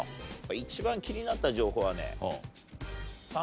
一番気になった情報はね。